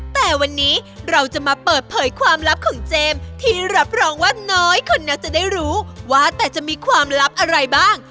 แต่วันนี้เราจะมาเปิดเผยความลับของเจมส์ที่รับรองว่าน้อยคนนี้จะได้รู้ว่าแต่จะมีความลับอะไรบ้าง